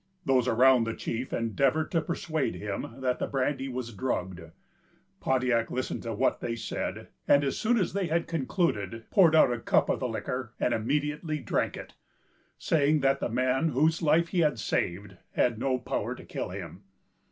Those around the chief, endeavored to persuade him that the brandy was drugged. Pontiac listened to what they said, and, as soon as they had concluded, poured out a cup of the liquor, and immediately drank it, saying that the man whose life he had saved had no power to kill him.